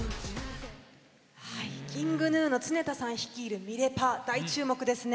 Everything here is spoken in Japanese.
ＫｉｎｇＧｎｕの常田さん率いるミレパ大注目ですね。